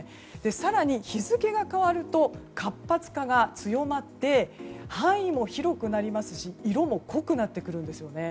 更に日付が変わると活発化が強まって範囲も広くなりますし色も濃くなってくるんですよね。